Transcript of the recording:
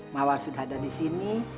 mawar sudah ada di sini